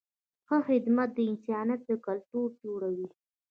ښه خدمت د انسانیت کلتور جوړوي.